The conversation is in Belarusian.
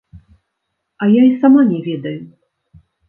А я і сама не ведаю.